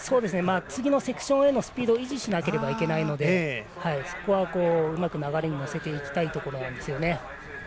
次のセクションへのスピードを維持しなければいけないのでうまく流れに乗せていきたいです。